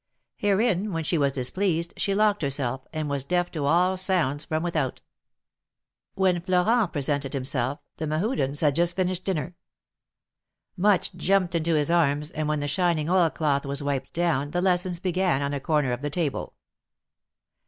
Herein, when she was displeased, she locked herself, and was deaf to all sounds from without. When Florent presented himself, the Mehudens had just finished dinner. Much jumped into his arms, and W'hen the shining oil cloth was wiped down, the lessons began on a corner of the table.